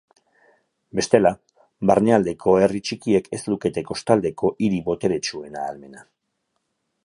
Bestela, barnealdeko herri txikiek ez lukete kostaldeko hiri boteretsuen ahalmena.